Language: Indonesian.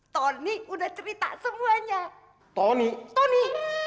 tony udah cerita semuanya tony tony